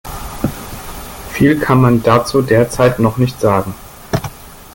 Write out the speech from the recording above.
Viel kann man dazu derzeit noch nicht sagen.